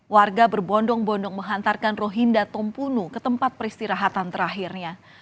warga berbondong bondong menghantarkan rohinda tompunu ke tempat peristirahatan terakhirnya